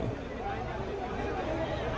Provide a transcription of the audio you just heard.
kita ke informasi selanjutnya